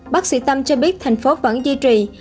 bác sĩ tâm cho biết thành phố vẫn duy trì